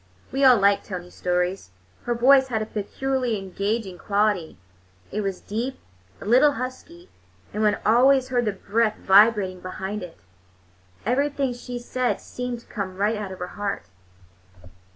We all liked Tony's stories. Her voice had a peculiarly engaging quality; it was deep, a little husky, and one always heard the breath vibrating behind it. Everything she said seemed to come right out of her heart.